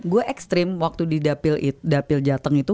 gue ekstrim waktu di dapil jateng itu